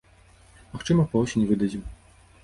Магчыма, па восені выдадзім.